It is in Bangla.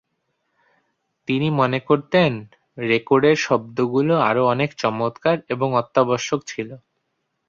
তিনি মনে করতেন, রেকর্ড এর শব্দগুলো আরও অনেক চমৎকার এবং অত্যাবশ্যক ছিল।